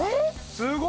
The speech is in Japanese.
すごい！